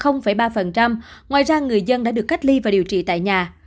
ngoài ra người dân đã được cách ly và điều trị tại nhà